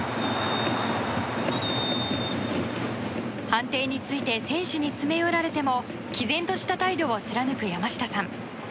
判定について選手に詰め寄られても毅然とした態度を貫く山下さん。